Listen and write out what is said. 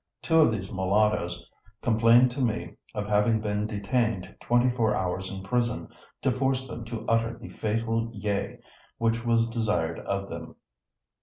Two of these mulattoes complained to me of having been detained twenty four hours in prison to force them to utter the fatal yea which was desired of them."